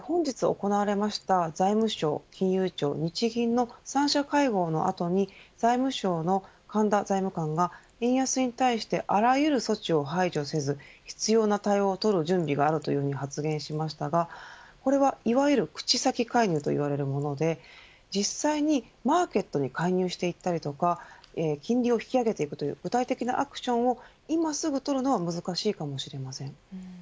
本日行われました財務省、金融庁、日銀の３者会合の後に財務省の神田財務官は円安に対してあらゆる措置を排除せず必要な対応を取る準備があると発言しましたがこれはいわゆる口先介入といわれるもので実際にマーケットに介入していったり金利を引き上げていくという具体的なアクションは今すぐ取るのは難しいかもしれません。